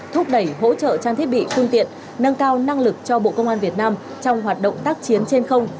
thúc đẩy hỗ trợ trang thiết bị phương tiện nâng cao năng lực cho bộ công an việt nam trong hoạt động tác chiến trên không